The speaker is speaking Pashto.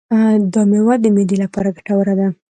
دا مېوه د معدې لپاره ګټوره ده.